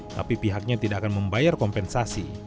tapi pihaknya tidak akan membayar kompensasi